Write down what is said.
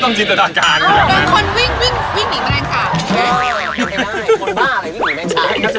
เห็นไปได้คนบ้านอะไรวิ่งหนูไม่ใช้